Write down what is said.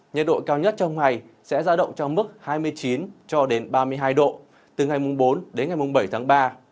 nhiệt độ cao nhất trong ngày sẽ ra động trong mức hai mươi chín ba mươi hai độ từ ngày bốn bảy tháng ba